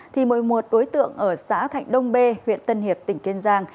thì một mươi một đối tượng ở xã thạnh đông bê huyện tân hiệp tỉnh kiên giang